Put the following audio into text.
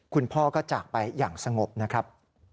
คุณพ่อก็จากไปอย่างสงบนะครับ